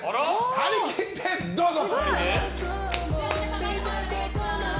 張り切ってどうぞ！